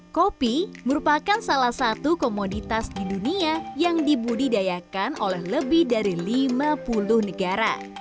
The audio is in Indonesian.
kopi merupakan salah satu komoditas di dunia yang dibudidayakan oleh lebih dari lima puluh negara